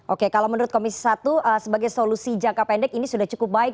oke kalau menurut komisi satu sebagai solusi jangka pendek ini sudah cukup baik